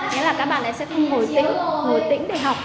nghĩa là các bạn sẽ không hồi tĩnh hồi tĩnh để học